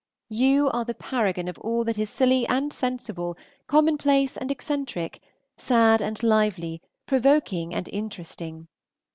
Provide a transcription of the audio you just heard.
You are the paragon of all that is silly and sensible, commonplace and eccentric, sad and lively, provoking and interesting.